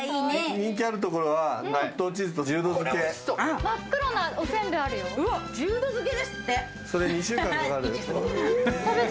人気あるところは、納豆チーズと十度づけ。